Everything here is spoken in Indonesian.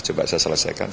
coba saya selesaikan